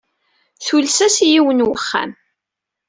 Tules-as i yiwen n wexxam.